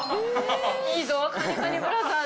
いいぞ！